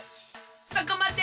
そこまで！